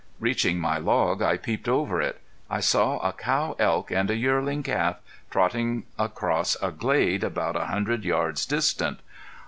Reaching my log I peeped over it. I saw a cow elk and a yearling calf trotting across a glade about a hundred yards distant.